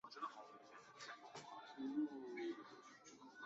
龚氏曼盲蝽为盲蝽科曼盲蝽属下的一个种。